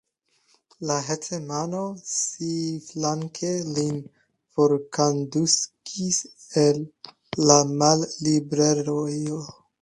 La hetmano siaflanke lin forkondukis el la malliberejo!